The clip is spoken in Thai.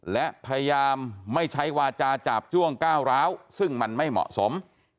และพยายามไม่ใช้วาจาจาบจ้วงก้าวร้าวซึ่งมันไม่เหมาะสม